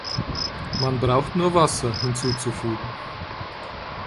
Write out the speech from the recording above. Man braucht nur Wasser hinzuzufügen“".